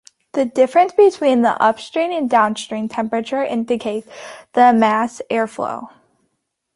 The difference between the upstream and downstream temperature indicates the mass airflow.